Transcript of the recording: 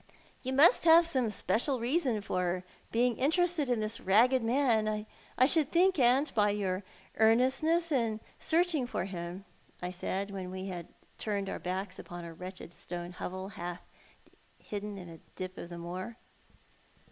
" You must have some special reason for being interested in this ragged man, I should think, aunt, by your earnestness in searching for him," I said, w^ien we had turned our backs upon a wretched stone hovel, half hidden in a dip of the moor.